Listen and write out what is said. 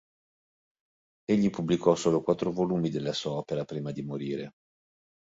Egli pubblicò solo quattro volumi della sua opera prima di morire.